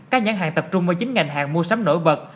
các nhà hàng tập trung với chín ngành hàng mua sắm nổi vật